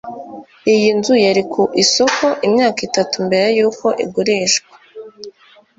iyi nzu yari ku isoko imyaka itatu mbere yuko igurishwa